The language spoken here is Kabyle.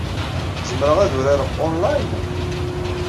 Zemreɣ ad urareɣ onlayn?